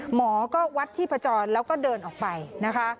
หมอก็วัดที่ผจรแล้วก็เดินออกไปนะคะ